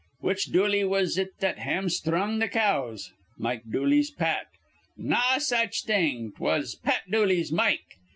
'Which Dooley was it that hamsthrung th' cows?' 'Mike Dooley's Pat.' 'Naw such thing: 'twas Pat Dooley's Mike.